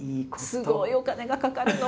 すごいお金かかるの。